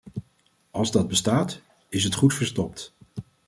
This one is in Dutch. Als dat bestaat, is het goed verstopt.